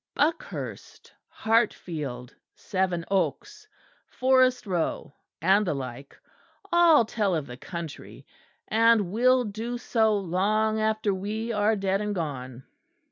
Buckhurst, Hartfield, Sevenoaks, Forest Row, and the like, all tell of the country, and will do so long after we are dead and gone."